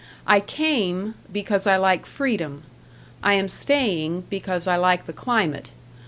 I came, because I like freedom; I am staying because I like the climate.